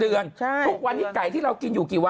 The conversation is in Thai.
เดือนทุกวันนี้ไก่ที่เรากินอยู่กี่วัน